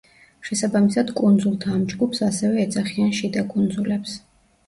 შესაბამისად კუნძულთა ამ ჯგუფს ასევე ეძახიან შიდა კუნძულებს.